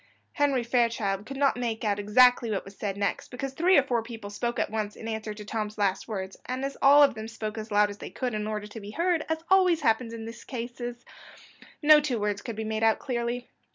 Henry Fairchild could not make out exactly what was said next, because three or four people spoke at once in answer to Tom's last words, and as all of them spoke as loud as they could in order to be heard, as always happens in these cases, no two words could be made out clearly.